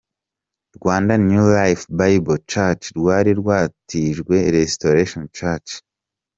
rwa New Life Bible Church rwari rwatijwe Restoration Church